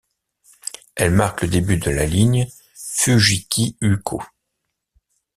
Elle marque le début de la ligne Fujikyuko.